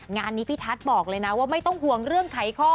งานนี้พี่ทัศน์บอกเลยนะว่าไม่ต้องห่วงเรื่องไขข้อ